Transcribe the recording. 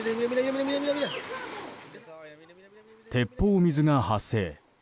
鉄砲水が発生。